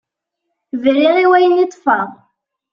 Briɣ i wayen i ṭṭfeɣ.